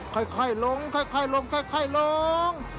ค่อยลงลงลง